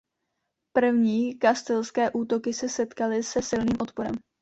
První kastilské útoky se setkaly se silným odporem.